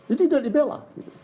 itu sudah dibela